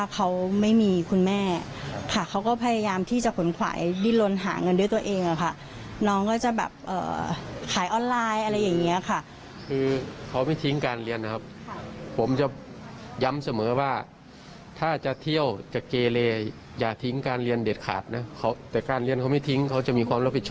แค่นึงก็จะแบบการขายออนไลน์อะไรอย่างนี้ค่ะ